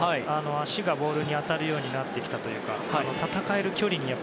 足がボールに当たるようになってきたというか戦える距離にね。